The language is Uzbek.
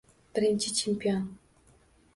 Birinchi chempion